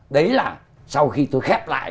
đấy là sau khi tôi khép lại